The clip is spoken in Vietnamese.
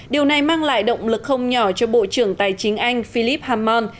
điều này mang lại động lực không nhỏ cho bộ trưởng tài chính anh philip hammon